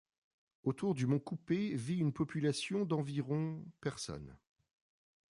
Autour du mont Koupé vit une population d’environ personnes.